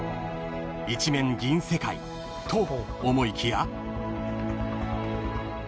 ［一面銀世界と思いきや］